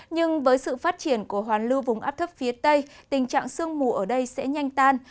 nhưng với sự phát triển của hoàn lưu vùng áp thấp phía tây tình trạng sương mù ở đây sẽ nhanh tan